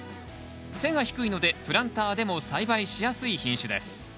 背が低いのでプランターでも栽培しやすい品種です。